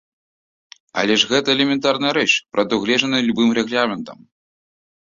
Але ж гэта элементарная рэч, прадугледжаная любым рэгламентам.